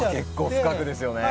結構深くですよね。